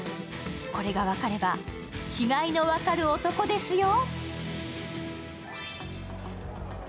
これが分かれば違いの分かる男ですよ。